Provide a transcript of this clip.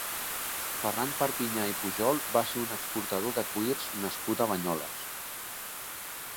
Ferran Perpinyà i Pujol va ser un exportador de cuirs nascut a Banyoles.